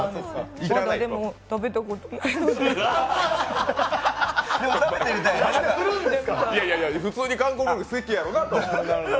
まだでも、食べたことないので普通に韓国料理好きやろなと思って。